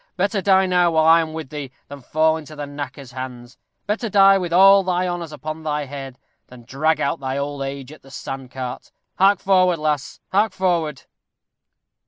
Better die now, while I am with thee, than fall into the knacker's hands. Better die with all thy honors upon thy head, than drag out thy old age at the sand cart. Hark forward, lass hark forward!"